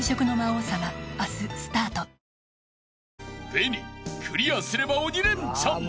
［ＢＥＮＩクリアすれば鬼レンチャン。